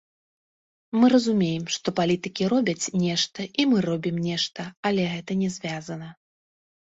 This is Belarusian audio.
Мы разумеем, што палітыкі робяць нешта і мы робім нешта, але гэта не звязана.